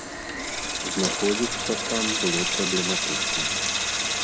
Знаходзіцца там было праблематычна.